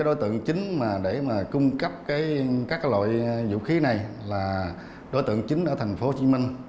đối tượng chính để mà cung cấp các loại vũ khí này là đối tượng chính ở thành phố hồ chí minh